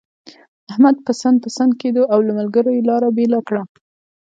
احمد پسن پسن کېدو، او له ملګرو يې لاره بېله کړه.